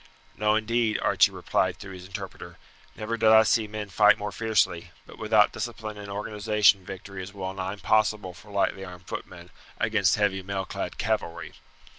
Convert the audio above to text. "No, indeed," Archie replied through his interpreter; "never did I see men fight more fiercely, but without discipline and organization victory is well nigh impossible for lightly armed footmen against heavy mailclad cavalry."